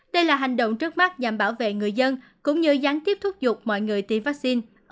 đây là hành động trước mắt nhằm bảo vệ người dân cũng như gián tiếp thúc giục mọi người tiêm vaccine